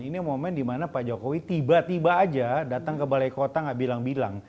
ini momen dimana pak jokowi tiba tiba aja datang ke balai kota gak bilang bilang